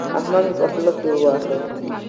احمد مې په خوله کې وواهه.